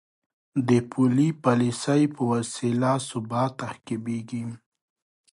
د پولي پالیسۍ په وسیله ثبات تعقیبېږي.